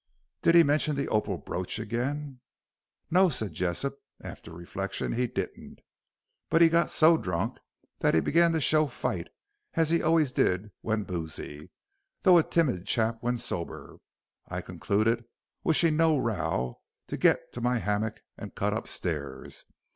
"Did he mention the opal brooch again?" "No," said Jessop, after reflection, "he didn't. But he got so drunk that he began to show fight, as he always did when boozy, though a timid chap when sober. I concluded, wishing no row, to git to my hammock, and cut up stairs.